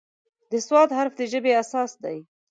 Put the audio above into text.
د "ص" حرف د ژبې اساس دی.